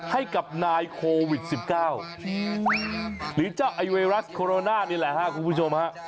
ให้กับนายโควิด๑๙หรือเจ้าไอ้ไวรัสโคโรนานี่แหละครับคุณผู้ชมฮะ